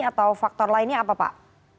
atau faktor lainnya apa pak